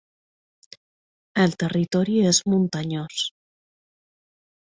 El territori és muntanyós.